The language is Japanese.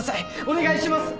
お願いします！